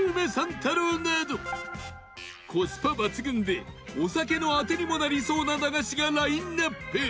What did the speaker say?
太郎などコスパ抜群でお酒のあてにもなりそうな駄菓子がラインアップ